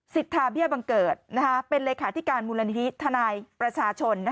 สิทธาเบียบังเกิดเป็นลัยขาธิการมธนาคมพวกประชาชน